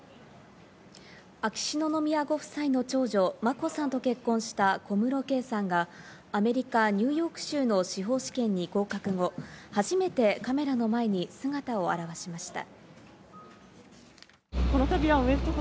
秋篠宮ご夫妻の長女・眞子さんと結婚した小室圭さんがアメリカ・ニューヨーク州の司法試験に合格後、初めてカメラの前に姿を現しました。